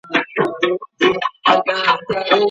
غاړګۍ بې مرغلرو نه وي.